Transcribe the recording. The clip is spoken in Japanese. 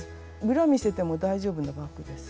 裏見せても大丈夫なバッグです。